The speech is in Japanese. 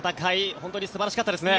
本当に素晴らしかったですね。